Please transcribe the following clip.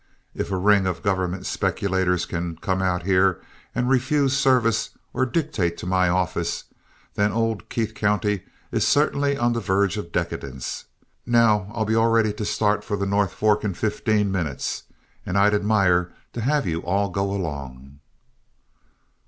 If a ring of government speculators can come out here and refuse service, or dictate to my office, then old Keith County is certainly on the verge of decadence. Now, I'll be all ready to start for the North Fork in fifteen minutes, and I'd admire to have you all go along."